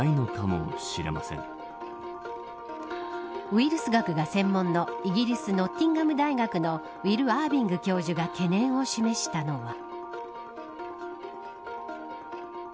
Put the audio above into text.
ウイルス学が専門のイギリス、ノッティンガム大学のウィル・アーヴィング教授が懸念を示したのは。